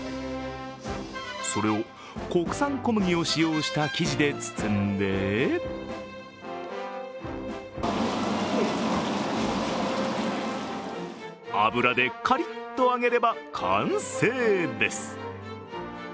それを国産小麦を使用した生地で包んで油でカリッと揚げれば完成です。